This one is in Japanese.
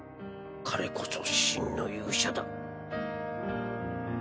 彼こそ真の勇者だ。